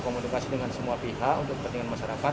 komunikasi dengan semua pihak untuk kepentingan masyarakat